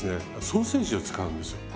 ソーセージを使うんですよ。